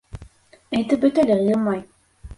Әйтеп бөт әле, Ғимай.